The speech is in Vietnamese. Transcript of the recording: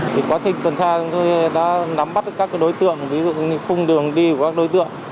thì quá trình tuần tra chúng tôi đã nắm bắt các đối tượng ví dụ như khung đường đi của các đối tượng